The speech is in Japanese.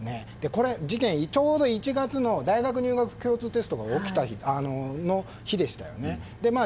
事件はちょうど１月の大学入学共通テストが起きた日でした。